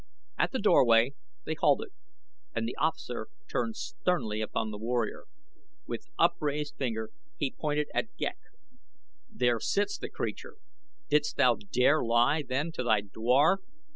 At the doorway they halted and the officer turned sternly upon the warrior. With upraised finger he pointed at Ghek. "There sits the creature! Didst thou dare lie, then, to thy dwar?"